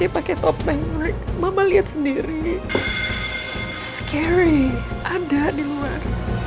pakai topeng mama lihat sendiri scari ada di luar